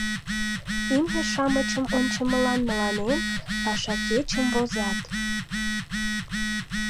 Имне-шамычым ончымылан мыланем пашакечым возат...